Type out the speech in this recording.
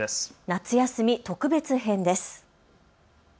夏休み特別編です。